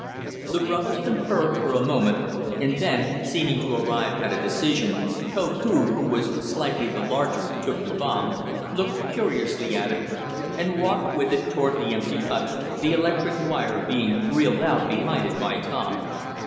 The brothers conferred for a moment and then, seeming to arrive at a decision, Koku, who was slightly the larger, took the bomb, looked curiously at it, and walked with it toward the empty hut, the electric wire being reeled out behind him by Tom.